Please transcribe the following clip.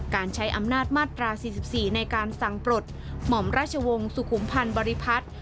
การใช้อำนาจมาตรา๔๔ในการสั่งปลดหม่อมราชวงศ์สุขุมพันธ์บริพัฒน์